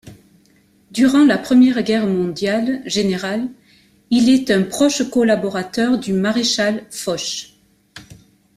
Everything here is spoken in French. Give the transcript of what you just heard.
Durant la Première Guerre mondiale, général, il est un proche collaborateur du Maréchal Foch.